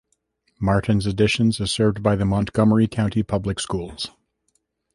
Martin's Additions is served by the Montgomery County Public Schools.